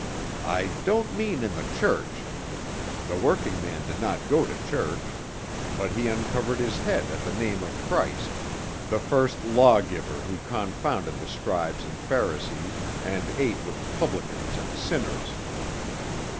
I don't mean in the church; the working man did not go to church, but he uncovered his head at the name of Christ, the first lawgiver who confounded the scribes and Pharisees, and ate with publicans and sinners."